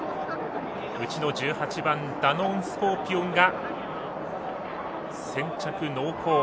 内の１８番ダノンスコーピオンが先着濃厚。